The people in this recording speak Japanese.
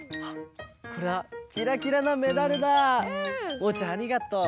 おうちゃんありがとう。